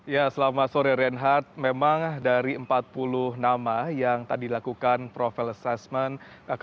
ya selama sore reinhardt memang dari empat puluh nama yang tadi lakukan profile assessment